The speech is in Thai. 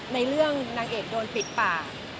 ในเรื่องนางเอกโดนปิดปาก